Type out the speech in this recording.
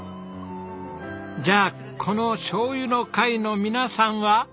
じゃあこのしょうゆの会の皆さんは？